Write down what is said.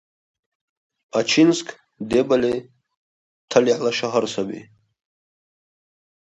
Ачинск — приятный город